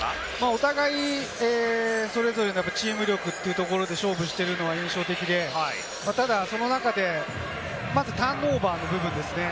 お互い、それぞれチーム力というところで勝負しているのが印象的で、ただその中で、まずターンオーバーの部分ですね。